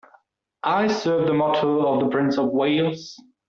I serve the motto of the Prince of Wales